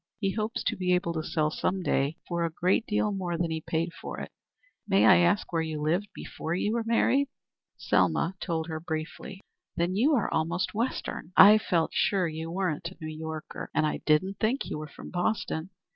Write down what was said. He hopes to be able to sell some day for a great deal more than he paid for it. May I ask where you lived before you were married?" Selma told her briefly. "Then you are almost Western. I felt sure you weren't a New Yorker, and I didn't think you were from Boston.